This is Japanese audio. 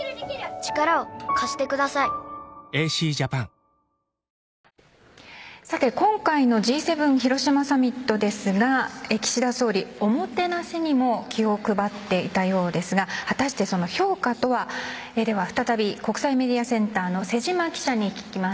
これは常にさて、今回のＧ７広島サミットですが岸田総理、おもてなしにも気を配っていたようですが果たして、その評価とは。では再び国際メディアセンターの瀬島記者に聞きます。